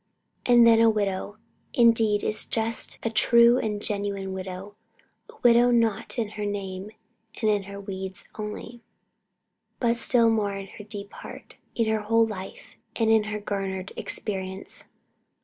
And then a widow indeed is just a true and genuine widow; a widow not in her name and in her weeds only, but still more in her deep heart, in her whole life, and in her garnered experience.